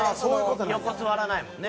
横座らないもんね。